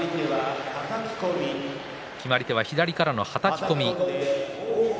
決まり手は左からのはたき込み。